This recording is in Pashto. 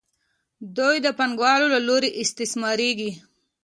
دوی د پانګوالو له لوري استثمارېږي